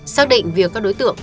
xác định việc các đối tượng